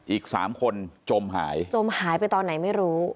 อีกสามคนจมหายจมหายไปตอนไหนไม่รู้